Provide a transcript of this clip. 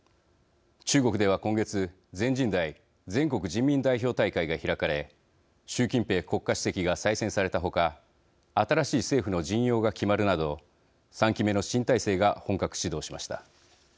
中国では今月全人代＝全国人民代表大会が開かれ、習近平国家主席が再選された他新しい政府の陣容が決まるなど３期目の新体制が本格始動しました。